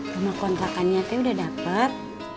rumah kontrakannya udah dapet